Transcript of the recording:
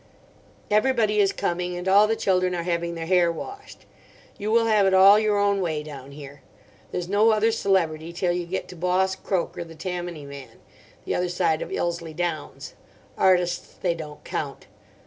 Everybody is coming, and all the children are having their hair washed. You will have it all your own way down here. There's no other celebrity till you get to Boss Croker, the Tammany man, the other side of Ilsley Downs. Artists they don't count.